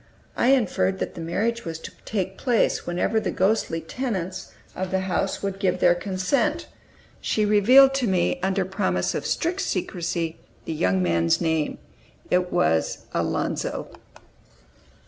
I inferred that the marriage was to take place whenever the ghostly tenants of the house would give their consent. She revealed to me, under promise of strict secrecy, the young man's name. It was "Alonzo."